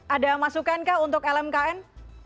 ada masukan kah untuk lmkn